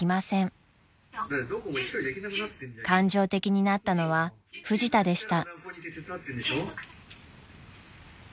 ［感情的になったのはフジタでした］